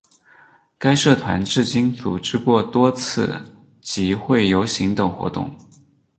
该社团至今组织过多次集会游行等活动。